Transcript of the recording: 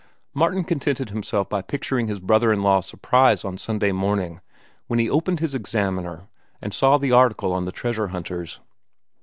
Martin contented himself by picturing his brother in law's surprise on Sunday morning when he opened his Examiner and saw the article on the treasure hunters.